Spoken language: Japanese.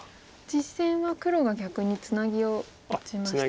実戦は黒が逆にツナギを打ちましたね。